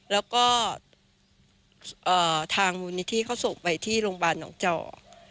แล้วก็ทางมูลนิธิเขาส่งไปที่โรงพยาบาลหนองจอก